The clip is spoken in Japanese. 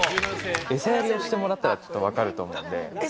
餌やりをしてもらったらちょっと分かると思うんで。